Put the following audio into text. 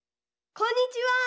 こんにちは！